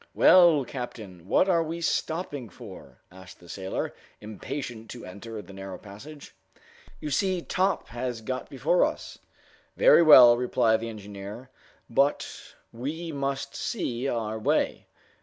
"Well, captain, what are we stopping for?" asked the sailor, impatient to enter the narrow passage. "You see Top has got before us!" "Very well," replied the engineer. "But we must see our way.